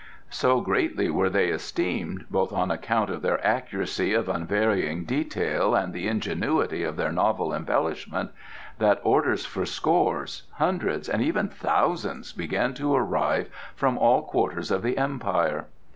So greatly were they esteemed, both on account of their accuracy of unvarying detail and the ingenuity of their novel embellishment, that orders for scores, hundreds and even thousands began to arrive from all quarters of the Empire.